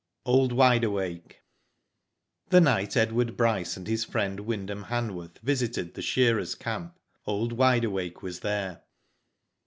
OLD WIDE AWAKE. The night Edward Bryce and his friend Wyndham Hanworth visited the shearers* camp old Wide Awake was there.